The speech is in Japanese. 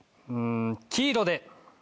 黄色で！